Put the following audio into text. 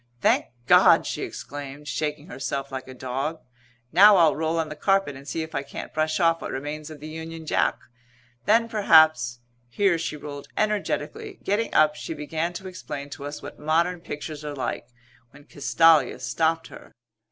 "Thank God!" she exclaimed, shaking herself like a dog. "Now I'll roll on the carpet and see if I can't brush off what remains of the Union Jack. Then perhaps " here she rolled energetically. Getting up she began to explain to us what modern pictures are like when Castalia stopped her.